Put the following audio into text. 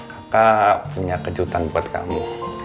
kakak punya kejutan buat kamu